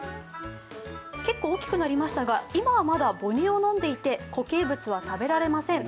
結構、大きくなりましたが、今はまだ母乳を飲んでいて固形物は食べられません。